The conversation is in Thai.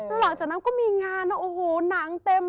แล้วหลังจากนั้นก็มีงานโอ้โหหนังเต็ม